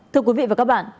thưa quý vị và các bạn